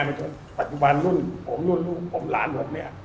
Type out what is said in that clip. จนปัจจุบันรุ่นผมรุ่นลูกผมหลานผมเนี่ย